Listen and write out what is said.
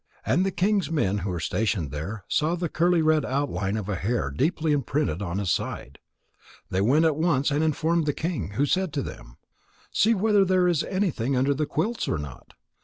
And the king's men who were stationed there saw the curly red outline of a hair deeply imprinted on his side. They went at once and informed the king, who said to them: "See whether there is anything under the quilts or not."